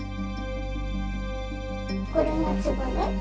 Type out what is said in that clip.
これがつぼね。